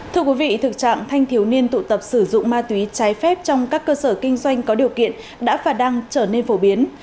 thưa quý vị thực trạng thanh thiếu niên tụ tập sử dụng ma túy trái phép trong các cơ sở kinh doanh có điều kiện đã và đang trở nên phổ biến